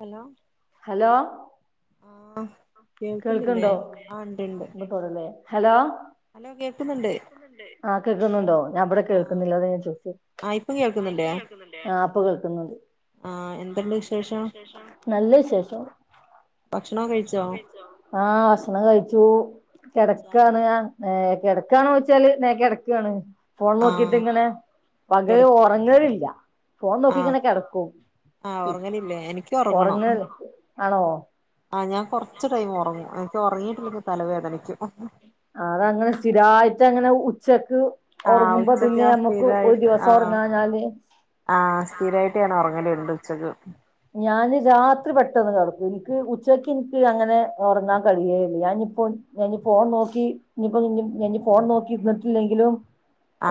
Hello. ആഹ് കേൾക്കുന്നില്ലേ? ആഹ് ഇണ്ട്ണ്ട് പൊറമേ ഹലോ ഹലോ കേക്കുന്നുണ്ട് കേക്കുന്നുണ്ട്. ആഹ് കേക്കുന്നുണ്ടോ? ഞാൻ ഇവടെ കേക്കുന്നില്ല. അതാ ഞാൻ ചോച്ച് ആഹ് ഇപ്പോ കേൾക്കുന്നില്ലേ? ആഹ് ഇപ്പൊ കേൾക്കുന്നുണ്ട്. ആഹ് എന്ത് ണ്ട് വിശേഷം? നല്ല വിശേ ശേഷം. ഭക്ഷണൊക്കെ കഴിച്ചോ? ആഹ് ഭക്ഷണം കഴിച്ചു. കെടക്കാണ്. ആഹ് നേ കെടക്കാണോയ്ച്ചാല് നേ കെടക്കാണ്. ഫോൺ നോക്കിട്ട് ഇങ്ങനെ. പകല് ഒറങ്ങലില്ല. ഫോൺ നോക്കിങ്ങനെ കെടക്കും [inaudible] ഒറങ്ങ് [inaudible] ആണോ? ആഹ്. ഞാൻ കൊർച്ച് ടൈം ഒറങ്ങും. ഇൻക്ക് ഒറങ്ങിയിട്ടില്ലെങ്കി തലവേദനയ്ക്കും. അതങ്ങനെ സ്ഥിരായിട്ട് അങ്ങനെ ഉച്ചക്ക് ആഹ് ഉച്ചക്ക്. ആഹ് സ്ഥിരായിട്ട്. ആഹ് ആഹ് സ്ഥിരായിട്ട് ഞാന് ഒറങ്ങല്ണ്ട് ഉച്ചക്ക്. ഞാന് രാത്രി പെട്ടെന്ന് കെടക്കും. ഇൻക്ക് ഉച്ചക്ക് ഇൻക് അങ്ങനെ ഒറങ്ങാൻ കഴിയേയില്ല. ഞാൻ ഇഞ്ഞിപ്പം ഞാനീ ഫോൺ നോക് ക്കി ഇഞ്ഞിപ്പോ ഇഞ്ഞി ഞാൻ ഇഞ്ഞി ഫോൺ നോക്കിയിര്ന്ന്ട്ടില്ലെങ്കിലും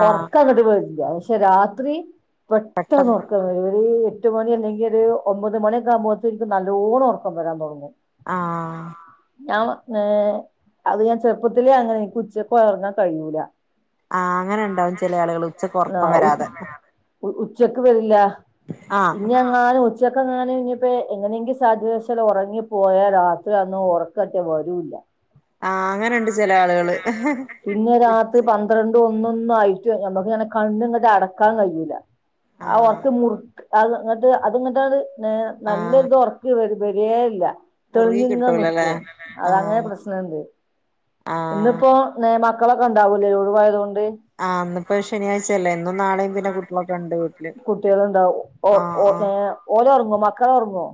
ഒറക്കങ്ങട് വെരൂല്യാ. പ ക്ഷേ രാത്രി പെട്ടെന്നൊറ [unintelligible] ഒര് എട്ട് മണി അല്ലെങ്കിൽ ഒരു ഒമ്പത് മണിയൊക്കെ ആവുമ്പോത്തിൻ ഇൻക്ക് നല്ലോണ്ണം ഒറക്കം വരാൻ തൊടങ്ങും. ആഹ് ഞാന് ഏഹ് അത് ഞാൻ ചെറുപ്പത്തിലേ അങ്ങനെ എനിക്ക് ഉച്ചക്ക് ഉറങ്ങാൻ കഴിയൂല ആഹ് അങ്ങനെ ണ്ട് [unintelligible] ആഹ് ഉ ഉ ഉച്ചക്ക് വരില്ല ഇഞ്ഞ് ങ്ങാനും ഉച്ചക്കെങ്ങാനും ഇഞ്ഞിപ്പോ എങ്ങനെയെങ്കിലും സാധ്യവശാലൊറങ്ങി പോയാൽ രാത്രി അന്ന് ഒറ ക്കറ്റെ വരൂല്ല ആഹ് അങ്ങനെണ്ട് ചെല ആളുകള് പിന്നെ രാത്രി പ ന്ത്രണ്ടും ഒന്നൊന്നും ആയിട്ട് ഞമ്മക്ക് ങ്ങനെ കണ്ണ് ഇങ്ങട്ട് അടക്കാൻ കഴിയൂല്ല ആ ഒർക്ക് മു അത്ങ്ങട്ട് അത്ങ്ങട്ടാണ്ട് നേ നല്ലൊരിത് ഒറക്ക് വര് വരേല്ല തെളിഞ് ങ്ങനെ നിക്കും അത അങ്ങനെ പ്രശ്നം ണ്ട് ഇന്നിപ്പോ ന്ന് മക്കളൊക്കെ ഉണ്ടാവൂലേ ഒഴിവായതോണ്ട് ആഹ് ഇന്ന് ശനിയാഴ്ച്ച ല്ലേ ഇന്നും നാളെ പിന്നെ മക്കള് കുട്ടിയേള്ണ്ടാവും ഓ ഓ ഏഹ് ഓല് ഒർങ്ങോ മക്കള് ഒർങ്ങോ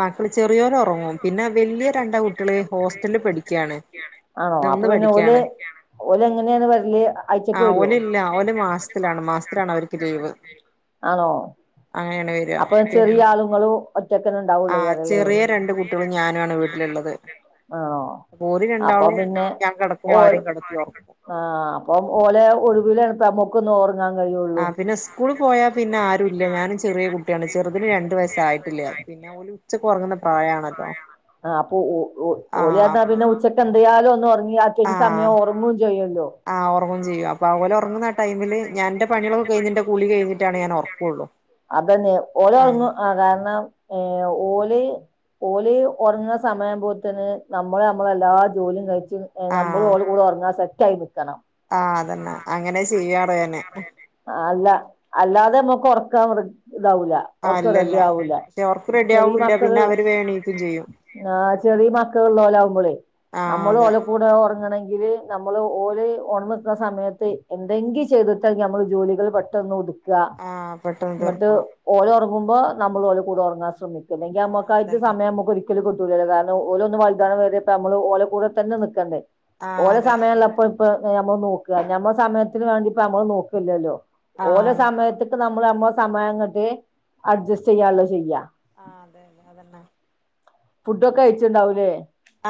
മക്കള് ചെറിയോലൊറങ്ങും പിന്നെ വല്യ രണ്ട് കുട്ടിയള് ഹോസ്റ്റൽ ല്ല് പഠിക്കാണ് ആണോ അപ്പൊ പിന്നെ ഓല് ഓലെങ്ങനെണ് വരല് ആയ്ച്ചക്ക് വരോ ഓല് ല് മാസത്തിലാണ് മാസത്തിലാണ് അവർക്ക് ലീവ് ആണോ അങ്ങനെണ് വര് അപ്പൊ ചെറിയ ആളും ഇങ്ങളും ഒറ്റക്കല്ലെ ഇണ്ടാവൂ ആഹ് ചെറിയ രണ്ട് കുട്ടിയളും ഞാനു ആണ് വീട്ടില്ള്ളത് ഓര് രണ്ടാളും ഞാൻ കെടക്കുമ്പോ അവരേ കെടത്തി ഒറക്കും ആഹ് അപ്പം ഓലെ ഒഴിവിലാണ് പ്പം ഞമ്മക്കൊന്ന് ഓർ ങ്ങാൻ കയ്യൊള്ളൂ ആഹ് പിന്നെ സ്കൂള് പോയാ പിന്നെ ആരുല്ല ഞാനും ചെ ചെറിയ കുട്ടിയാണ് ചെറുതിന് രണ്ടു വയസായിട്ടില്ല പിന്നെ ഓല് ഉച്ചക്ക് ഒറ്ങ്ങുന്ന ഒറങ്ങുന്ന പ്രയാണലോ ആഹ് അപ്പൊ ഓ ഓ ഓല് റ്ഞ്ഞാ പിന്നെ ഉച്ചക്ക് എന്തായാലും ഒന്ന് ഒറങ്ങി യര് സമയം ഒറങ്ങും ചെയ്യു ല്ലോ ആഹ് ഒറങ്ങും ചെയ്യും അപ്പം ഓലൊറങ്ങുന്ന ടൈമില് ഞൻ ഇന്റെ പണികളക്കെ കയിഞ് ഇന്റെ കൂളി കഴിഞ്ഞിട്ടാണ് ഞാൻ ഒറക്കൊള്ളൂ അതന്നെ ഓല് ഒറങ്ങും ആ കാരണം ഏഹ് ഓല് ഓല് ഒറങ്ങുന്ന സമയാവുമ്പോത്തിന് നമ്മള് നമ്മളെ എല്ലാ ജോലിം കയി ച്ച് ഏ നമ്മളും ഓലെ കൂടെ ഒറങ്ങാൻ സെറ്റായി നിക്കണം ആഹ് അതന്നെ അങ്ങനെ ചെയ്യാറ് ഞാന് അല്ല അല്ലാതെ നമ്മക്ക് ഒറക്കം മൂറ് ഇതാവൂല ആഹ് ഇല്ലല്ല പക്ഷേ ഒർക്ക് റെഡിയാവൂല്ല പിന്നെ അവര് വേ എണീക്കും ചെയ്യും ആഹ് ചെറീ മക്കള് ള്ളോലാവുമ്പളേ നമ്മള് ഓല കൂടെ ഒറങ്ങണങ്കില് നമ്മള് ഓര് ഒണർന്ന് നിക്ക്ണ സമയത്ത് എന്തെങ്കി ചെയ്ത്ട്ടാണങ്കി നമ്മൾ ജോലികൾ പെട്ടെന്ന് ഒതു ക്കാ ഇങ്ങട്ട് ഓല് ഉറങ്ങുമ്പോ നമ്മൾ ഓല കൂടെ ഉറങ്ങാൻ ശ്രമിക്ക അല്ലെങ്കി നമ്മക്കായിട്ട് സമയം നമ്മക്ക് ഒരിക്കലും കിട്ടൂലല്ലോ കാരണം ഓല് ഒന്ന് വൈതാനം വരെ ഇപ്പം നമ്മള് ഓല കൂടെ തന്നെ നിക്കണ്ടേ ഓലെ സമയള്ളപ്പം ഇപ്പം ഞമ്മൾ നോക്ക ഞമ്മള സമയത്തിന് വേണ്ടി ഇപ്പം നമ്മള് നോക്കല്ലല്ലോ ഓല സമയത്ത്ക്ക് നമ്മൾ നമ്മള സമയം അങ്ങട്ട് അഡ്ജസ്റ്റ് ചെയ്യാള്ളെ ചെയ്യ ആഹ് അതെന്നെ അതന്നെ ഫുഡ് ഒക്കെ കഴിച്ച്ണ്ടാവൂ ലേ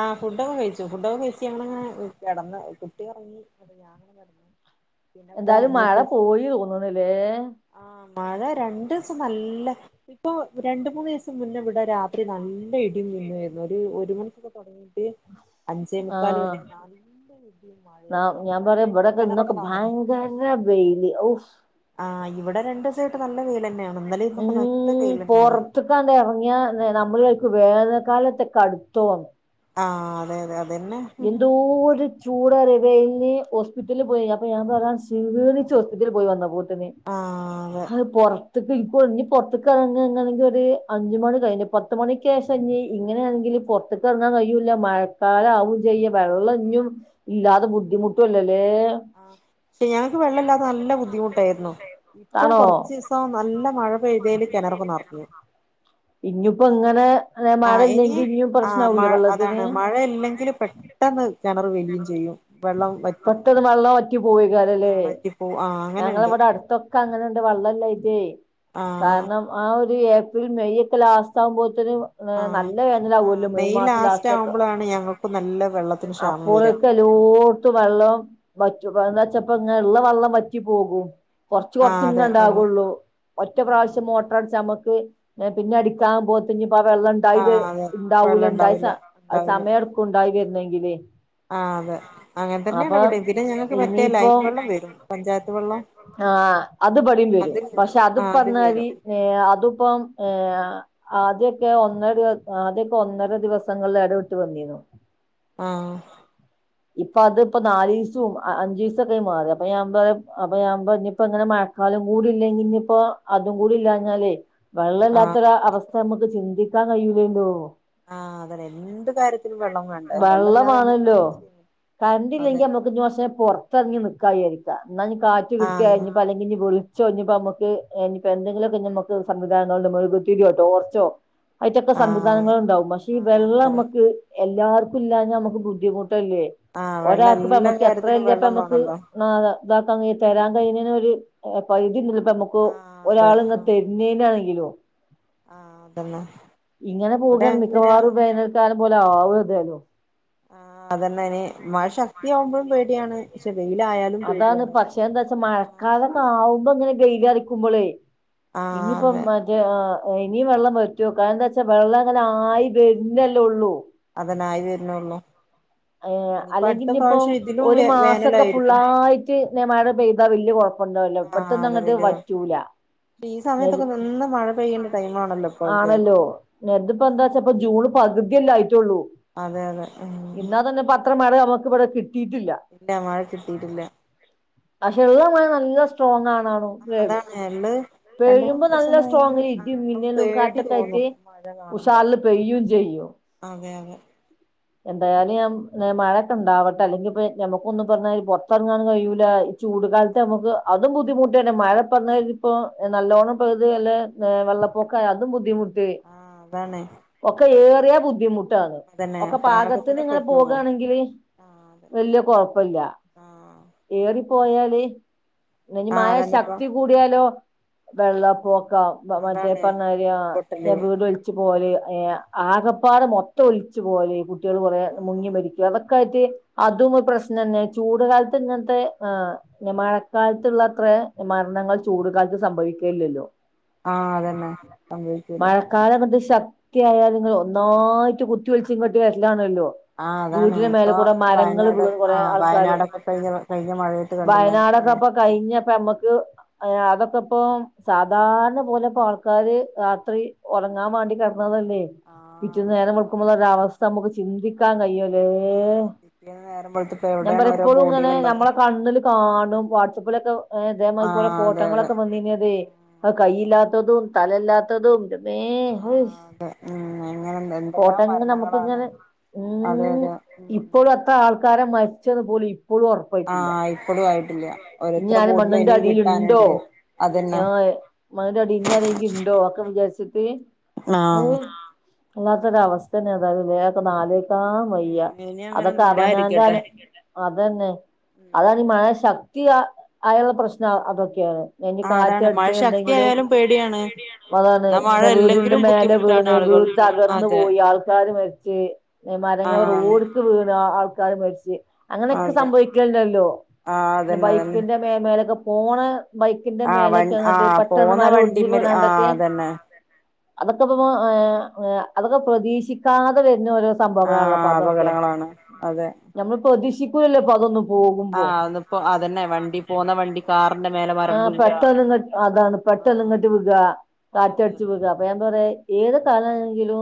ആഹ് ഫുഡൊക്കെ കഴിച്ചു ഫുഡൊക്കെ കഴിച്ച് ഞങ്ങള് ഇങ്ങനെ കടന്ന് കുട്ടി ഉറങ്ങി [inaudible] ഞാൻ ഇവടെ കിടന്ന് എന്തായാലും മഴ പോയി തോന്നുണില്ലേ ആഹാ മഴരണ്ടു ദിവസം നല്ല- ഇപ്പൊ രണ്ട മൂന്ന് ദിവസം മുന്നേ ഇവിടെ രാത്രി നല്ല ഇടി പിന്നെ ഇല്ലേ അതും ഒരു മണിക്കൊക്കെ തൊടങ്ങിട്ട് - അഞ്ചേ മുക്കാൽ വരെ നല്ല ഇടിയും മഴയും ആ മഴയില് കെ - ഭയങ്കര വെയില് ഓഹ് ആഹ് ഇവിടെ രണ്ട് ദിവസമായിട്ട് നല്ല വെയില് തന്നെയാണ് ഇന്നലെ ഇന്നൊക്കെ നല്ല വെയില് തന്നെയാണ് ചുറ്റും ഒന്ന് ഇറങ്ങിയാൽ നമ്മള് വിചാരിക്കും വേനൽ കാലത്തൊക്കെ അടുത്തോന്ന് ആ അതെ അതെ അതന്നെ എന്തോ ഒരു ചൂടാന്ന് പറയുവോ വെയില് ഹോസ്പിറ്റലിൽ പോയി അപ്പൊ ഞാൻ പറ [unintelligible] പറയാൻ ക്ഷീണിച്ചുസ്റ്ററ്റൽ പോയി വന്ന പോത്തന്നെ അത്റ [unintelligible] ഇപ്പോൾ ഇനി പൊറത്ത്ക്ക് എറ എങ്ങ് എങ്ണോങ്കിൽ ഒര് അഞ്ച് മണി കഴിഞ്ഞു പത്ത് മണിക്ക് ശേഷം ഇനി ഇങ്ങനെയാണെങ്കിൽ ഒരു അഞ്ച് മണി കഴിഞ്ഞ പത്ത് മണിക്ക് ശേഷം ഇങ്ങനൊണെങ്കിൽ പൊറത്ത് - പൊറത്ത് എറങ്ങാൻ കഴിയൂല മഴക്കാലം ആവും ചെയ്യ്ക വെള്ളം ഇല്ലാതെ ബുദ്ധിമുട്ടുവല്ലേ [unintelligible] ആഹ് പക്ഷെ ഞങ്ങക്ക് വെള്ളമില്ലാതെ നല്ല ബുദ്ധിമുട്ടായിരുന്നു ഇപ്പൊ കൊറച്ച്- ഇപ്പം നല്ല മഴ പെയ്തേന് കെണറൊക്കെ നറഞ്ഞു ആ ഇനി ആ മഴ അതാണ് മഴ ഇല്ലെങ്കില് പെട്ട- പെട്ടെന്ന് കെണറ് വലിയും ചെയ്യും വെള്ളം വറ്റും പെട്ടന്ന് വെള്ളം വറ്റി പോയിക്കാലും അല്ലെ ഇപ്പോ ആഹ് ഞങ്ങളെ ഇവിടെ അടുത്തൊക്കെ അങ്ങനെയുണ്ട് വെള്ളവില്ലാഞ്ഞിട് കാരണം- ആ ഒരു ഏപ്രിൽ മെയ് ഒക്കെ ലാസ്റ്റ് ആകുമ്പോത്തേന്- നല്ല വേനലാകുവല്ലോ മെയ് മാസം ലാസ്റ്റ് ഒക്കെ അപ്പോഴൊക്കെ- എലോടുത്തും വെള്ളം വറ്റും എന്ന് വെച്ചാ ഇപ്പോ ഒള്ള വെള്ളം വറ്റി പോകും കൊറച്ച് കൊറച്ച് ഇനി ഒണ്ടാവുള്ളൂ ഒറ്റ പ്രാവശ്യം മോട്ടർ അടിച്ചാ നമ്മക്ക് പിന്നെ അടിക്കാൻ പോനിപ്പോ വെള്ളം- ഉണ്ടായി ഉണ്ടാവൂല ഇണ്ടായിച്ചാ അത് സമയം എടുക്കും ഉണ്ടായി വരണങ്കിലേ ആ അതെ അങ്ങനെ തന്നെയാണ് ഇവിടെ പിന്നെ ഞങ്ങൾക്ക് മറ്റേ ലൈൻ വെള്ളം വരും പഞ്ചായത്ത് വെള്ളം- ആ അത് ഇവിടേം വരും പക്ഷെ അത് ഈ പറഞ്ഞാല് ഏ അതിപ്പം ഏ- ആദ്യൊക്കെ ഒന്നര ദിവ ആദ്യൊക്കെ ഒന്നര ദിവസങ്ങളിൽ ഇടവിട്ട് വന്നിരുന്നു ആഹ് ഇപ്പൊ അത് ഇപ്പ നാല് ദിവസവും അഞ്ച് ദിവസൊക്കെ ആയി മാറി അപ്പൊ ഞാൻ പറയും - അപ്പൊ ഞാൻ പറഞ് ഇപ്പൊ ഇനിയിപ്പോ ഇങ്ങനെ മഴക്കാലം കൂടി ഇല്ലെങ്കി ഇനിയിപ്പോ അതും കൂടി ഇല്ലഞ്ഞാലേ- വെള്ളമല്ലാത്തൊരു അവസ്ഥ നമ്മുക്ക് ചിന്തിക്കാൻ കഴിയൂല്ലല്ലോ ആഹ് അത് തന്നെ എന്തു കാര്യത്തി- വെള്ളമാണല്ലോ കറണ്ട് ഇല്ലെങ്കി നമ്മുക്ക് മാസ [unintelligible] പുറ ഇപ്പൊ എറങ്ങി നിക്ക വിചാരിക്കുക എന്നാഞ്ഞി കാറ്റ് കിട്ടിയ ഞ്ഞ [unintelligible] പ അലെങ്കി പോ വിളിച്ചു ചോദിച്ചപ്പോ നമുക്ക് ഇനിപ്പപ്പോ എന്തെങ്കിലുംക്കെ നമുക്ക് സംവിധായങ്ങളുടെ മെഴുകുത്തിരിയോ ടോർച്ചോ- അയിനൊക്കെ സംവിധാനങ്ങള് ഉണ്ടാവും പക്ഷെ ഈ വെള്ളം നമ്മക്ക്- എല്ലാർക്കും ഇല്ലാഞ്ഞ നമ്മുക്ക് ബുദ്ധിമുട്ടല്ലേ ഒരാൾക്ക് ഇപ്പ നമ്മക്ക് എത്ര അല്ലെ ഇപ്പൊ നമ്മക്ക്- ആ ഇതാക്ക അങ്ങനെ തരാൻ കഴിഞ്ഞ ഒരു പരിധി ഉണ്ടല്ലൊ ഇപ്പ നമുക്ക് ഒരാള് ഇങ്ങനെ തരും. ഇന്നായിന് ആണെങ്കിലോ ഇങ്ങനെ പോകാൻ മിക്കവാറും വേനൽ - എനിക്ക് അയാളെ പോലെ ആവത് ഇല്ലല്ലോ ആ അതന്നെ അയിന് ന് മഴ ശക്തിയാകുമ്പോഴും പേടിയാണ്. പക്ഷെ വെയിലായാലും പേടിയാണ്. പക്ഷെ എന്താ വച്ചാ മഴക്കാലൊക്കെ ആവുമ്പോ ഇങ്ങനെ ഗെ [unintelligible] യില അറിക്കുമ്പോളേ ഇനിയിപ്പ. [unintelligible] ഇനിയും വെള്ളം വറ്റു കാരണം എന്താച്ചാ വെള്ളം അങ്ങനെ ആയി വരുന്നല്ലേ ഉള്ളൂ. അതന്നെ ആയി വര്നള്ളൂ. ഏ അല്ലെങ്കി ഇഞ്ഞിപ്പം ഒരു മാസൊക്കെ ഫുള്ളായിട്ട് മഴ പെയ്താ വല്ല്യ കുഴപ്പണ്ടാവില്ല. ഇവട്ത്തങ്ങട്ട് വറ്റൂല. ഈ സമയത്തൊക്കെ നിന്ന് മഴ പെയ്യേണ്ട ടൈം ആണല്ലോ ഇപ്പൊ ഒക്കെ. നാ ഇതിപ്പോ എന്താച്ച പ്പോ ജൂണ് പകുതിയല്ല ആയിട്ടുള്ളൂ. അതെ അതെ, ഇന്നാ തന്നെ അത്ര മഴ നമുക്കിവിടെ കിട്ടിയിട്ടില്ല. ഇല്ല മഴ കിട്ടിയിട്ടില്ല. പക്ഷേ ഉള്ള മഴ നല്ല സ്ട്രോങ് ആണാണും. പെയ്യുമ്പോ നല്ല സ്ട്രോങ് ഇടിം മിന്നലും കാറ്റൊക്കെ ആയിട്ട്. ഉശാറില് പെയും ചെയ്യും. അതെ അതെ, എന്തായാലും ഞാം മഴൊക്കെ ഉണ്ടാവട്ടെ അല്ലെങ്കി ഇപ്പ നമുക്കൊന്നും പറഞ്ഞാ മാതിരി പൊറത്തിറങ്ങാൻ കഴിയൂല. ചൂട് കാലത്ത് നമുക്ക് അതും ബുദ്ധിമുട്ട് തന്നെ മഴ പറഞ്ഞാതിരി ഇപ്പോ നല്ലോണം പെയ്ത് അല്ല. വെള്ളപ്പൊക്ക അതും ബുദ്ധിമുട്ട് ഒക്കെ ഏറിയ ബുദ്ധിമുട്ടാണ്. ഒക്കെ പാകത്തിന് ഇങ്ങനെ പോവാണെങ്കില് വല്യ കൊഴപ്പല്ല. ഏറിപ്പോയാല് ഇനിമഴ ശക്തി കൂടി. ടിയാലോ വെള്ള പെക്കം. മറ്റേ പറഞ്ഞാതിരി വീട് ഒലിച്ച് പോവല് ആകപ്പാടെ മൊത്തം ഒലിച്ച് ച്ച് പോകല് കുട്ടികൾ കുറെ മുങ്ങി മരി അതൊക്കെ ആയിട്ട് അതും പ്രശ്നം തന്നെ ചൂട് കാലത്ത് ഇങ്ങനത്തെ ആ മഴക്കാലത്തുള്ള അത്ര മരണങ്ങൾ ചൂടുകാലത്ത് സംഭവിക്കില്ലല്ലോ. ആഹ അതന്നെ സമ്മയ്ക്കൂല. കാല അങ്ങനത്തെ ശക്തിയാലും നിങ്ങൾ ഒന്നായിട്ട് കുത്തിയൊലിച്ച് ഇങ്ങോട്ട് വരലാണല്ലോ. വീട്ടിലെ മേലകൂടെ മരങ്ങൾ വീണ് കുറെ ആൾക്കാര് വയനാടൊക്കെപ്പൊ. കഴിഞ്ഞപ്പ നമ്മക്ക്. അതൊക്കെ ഇപ്പൊ സാധാരണ പോലെ ഇപ്പോ ആൾക്കാര് രാത്രി ഉറങ്ങാൻ വേണ്ടി കിട പിന്നെ അതല്ലേ പിറ്റേന്ന് നേരം വെളുക്കുമ്പോയുള്ള ഒരവസ്ഥ നമുക്ക് ചിന്തിക്കാൻ കഴിയോ ല്ലേ. നേരം വെളുത്തപ്പോ. ഞാൻ പറി ഇപ്പോഴും ഇങ്ങനെ ഞമ്മളെ കണ്ണിൽ കാണും. വാട്സആപ്പിലൊക്കെ ഏ ഇതേമാതിരി പോലെ ഫോ ഫോട്ടങ്ങളൊക്കെ വന്നീനത് കൈയില്ലാത്തതും തലയില്ലാത്തതും ന്റെ മ്മേ. അഹ്ശ് [unintelligible] ഉം അങ്ങനെന്നത്. ഫോട്ടങ്ങനെ നമുക്കിങ്ങനെ ഉം ഇപ്പോഴും അ എത്ര ആൾക്കാരെ മരിച്ചതു പോലെ ഇപ്പോഴും ഒർപ്പ പ്പായിട്ടില്ല. ഇനി ആരും മണ്ണിന്റെ അടിയിലുണ്ടോ? ഞാ മണ്ണിന്റെ അടിയിൽ ഇനി ആരങ്കിലുണ്ടോ ഒക്കെ വിചാരിച്ചിട്ട്. [unintelligible] വല്ലാത്തരു അവസ്ഥ തന്നെ ഏതായാലുലേ അത്ക്കന്നെ ആലോചിക്കുമ്പോ. ക്കാൻവയ്യ അതൊക്കെ അവനാന്റെ അതന്നെ, അതാണ് മഴ ശക്തി ആയലുള്ള പ്രശ്നം അതൊക്കെയാണ്. ഇഞ്ഞി കാറ്റ് അടിച്ച്ണ്ടെങ്കിലും മഴ ശക്തി ആയാലും പേടിയാണ്. അതാണ് വീടിന്റെ മേലെ വീണ് വീട്ട്കത്ത്. പെർന്ന് പോയി ആൾക്കാര് മരിച്ച് മരങ്ങൾ റോഡ്ക്ക് വീണു ആൾക്കാര് മരിച്ച്. അങ്ങനെയൊക്കെ സംഭവിക്കൽണ്ടല്ലോ ബൈക്കിന്റെ മേലൊക്കെ പോണ. ബൈക്കിന്റെ മേലൊക്കെ അങ്ങട്ട് പെട്ടന്ന് മര ഒടിഞ്ഞു വീണാണ്ടൊക്കെ ആഹാ അതന്നെ. അതൊക്കെ ഇപ്പോ അതൊക്കെ പ്രതീക്ഷിക്കാതെ വരുന്ന ഓരോ സംഭവങ്ങളാണല്ലോ അപ്പോ അതൊക്കെ നമ്മള് പ്രതീക്ഷിക്കൂല്ലല്ലോപ്പ അതൊന്നും ആഹ് ആന്ന് ഇപ്പോ അതന്നെ വണ്ടി പോകുന്ന വണ്ടി കാറിന്റെ മേലെ മരം വീണ് പെട്ടന്ന്നിന്ന് അതാണ് പെട്ടന്ന് ഇങ്ങട്ട് വിഴുക കാറ്റടിച്ച് വിഴുക അപ്പോ ഞാൻ പറയ് ഏത് കാലണെങ്കിലും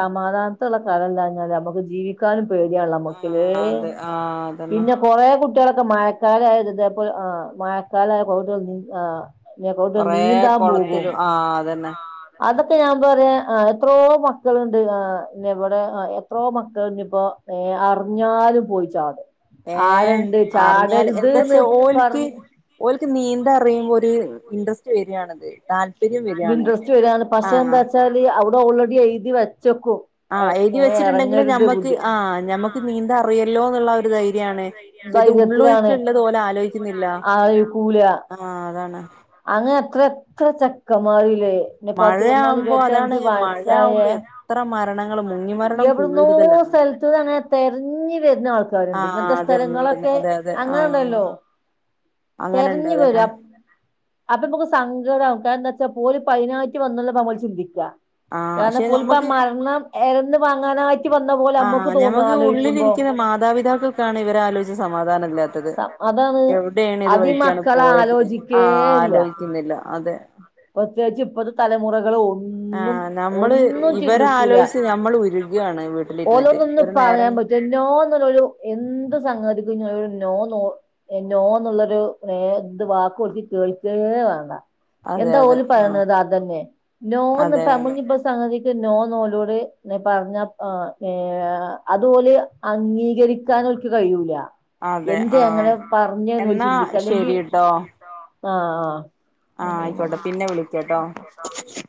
സമാധാനത്തോടുള്ള കാലംഅല്ലാഞ്ഞാല് നമക്ക് ജീവി ക്കാനും പേടിയാണ് നമ്മക്കിലേ പിന്നെ കൊറേ കുട്ടി കുട്ട്യോളൊക്കെ മഴക്കാലം ആയാ ഇത് ഇതേപോല ആഹ് മഴക്കാലം ആയാ ബോധം ഒന്നും ആഹ് അതെപോലെ നീന്താൻ പോകും അതൊക്കെ ഞാൻ പറയാ ആഹ് എത്രോ മക്കളുണ്ട് ആഹ് ഇവിടെ എത്രോ മക്കളുണ്ട് ഇപ്പോ ഏഹ് അറിഞ്ഞാലും പോയി ചാടും ആഴണ്ട് ചാടരുത് ന്ന് പറഞ്ഞ് ഓല്ക്ക് നീന്താൻ അറിയുമ്പോ ഒരു ഇൻട്രസ്റ്റ് വരാണ് ഇന്റെറെസ്റ്റ്‌ വരാണ് പക്ഷേ എന്താ ച്ചാല് അവിടെ ഓൾറെഡി എഴുതി വെച്ചക്കും ആഹ് എഴുതി വെച്ചിട്ടുണ്ടെങ്കിലും ഞമ്മക്ക് ആഹ് ഞമ്മക്ക് നീന്താറിയല്ലോ എന്നുള്ള ഒരു ധൈര്യാണ് പക്ഷെ ഇത് ഉള്ളൊഴുക്ക് ഉള്ളതു് ഓല് ആലോചിക്കുന്നില്ല ആഹ് അതാണ് അങ്ങനെ എത്ര എത്ര ചെക്ക ചെക്കന്മാരില്ലേ പിന്നെ പത്ത് ഇരുപത്തിന്നാല് ഇരുപത്തഞ്ചു വയസ്സായ എവിടന്നോ സ്ഥലത്ത് തന്നെ തെരഞ്ഞു വരുന്ന ആൾക്കാരുണ്ട് ഇങ്ങനത്തെ സ്ഥലങ്ങളൊക്കെ അങ്ങനെണ്ടല്ലോ അങ്ങനെണ്ട് അതന്നെ അപ്പോ നമുക്ക് സങ്കടാകും കാരണം എന്താച്ചാ ഓല് അതിനായിട്ട് വന്നല്ലോ നമ്മള് ചിന്തിക്കാ കാരണം ഓലിപ്പ മരണം എരന്ന് വാങ്ങാനായിട്ട് വന്ന പോലെ നമ്മുക്ക് തോന്നാ ആലോചിക്കുമ്പോ [unintelligible] മാതാപിതാക്കൾക്ക് ഇവരെ ആലോചിക്കുമ്പോ സമാധാന [unintelligible] അതാണ് അതിമക്കള് ആലോചിക്ക ക്കേയില്ല ആലോചിക്കുന്നില്ല അതെ പ്രത്യേകിച്ച് ഇപ്പത്തെ തലമുറകളും ഒ ആഹ് നമ്മള് ഇവരെ ആലോചിച്ച് നമ്മള് ഉരുകാണ് വീട്ടിലിരുന്നിട്ട് ഒരു നേരം എല്ലാനൊരു ഒരു എന്ത് സംഗതിക്കും ഒരു നോ നോ നോന്നുള്ളൊരു എന്ത് വാക്ക്‌ അവർക്ക് കേൾക്കെയേ വാണ്ട എന്താ ഓല് പറയണത് അതന്നെ നോന്ന് ഇപ്പോ നമ്മള് സംഗതിക്ക് നോന്ന് ഓലോട് പറഞ്ഞ ഏഹ് അത് ഓല് അംഗീകരിക്കാൻ ഓല്ക്ക് കഴിയൂല എന്തേ അങ്ങനെ പറഞ്ഞന്ന് ഓല് ചിന്തിയ്ക്ക അല്ലെങ്കി ആഹ് ആഹ് ആഹ് ആയിക്കോട്ടെ പിന്നെ വിളിക്കാട്ടോ [unintelligible]